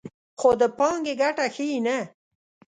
خو د پانګې ګټه ښیي نه